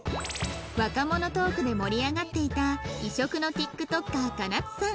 若者トークで盛り上がっていた異色の ＴｉｋＴｏｋｅｒ 金津さん